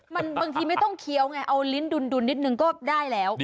บางทีไม่ต้องเคี้ยวไงเอาลิ้นดุลนิดนึงก็ได้แล้ว